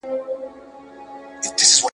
خو دربیږي په سینو کي لکه مات زاړه ډولونه .